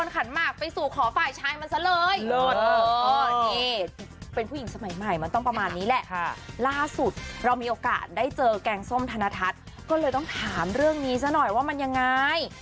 ก็เลยต้องถามเรื่องนี้ซะหน่อยว่ามันยังไง